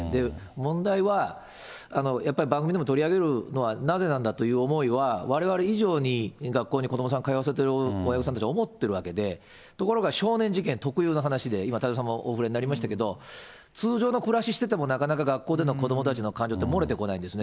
問題はやっぱり、番組でも取り上げるのはなぜなんだという思いは、われわれ以上に学校に子どもさん通わせてる親御さんたち思ってるわけで、ところが少年事件特有の話で、今、太蔵さんもお触れになりましたけど、通常の暮らししてても、なかなか学校での子どもたちの感情って漏れてこないんですね。